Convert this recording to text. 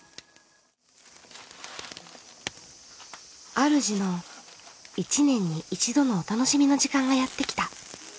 あるじの１年に１度のお楽しみの時間がやってきた。